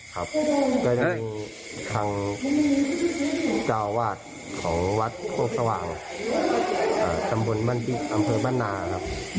ก็เลยจะเป็นทางจะอาวาสของวัดโภพสวังจำบนบรรดีอำเภอบ้านนาครับ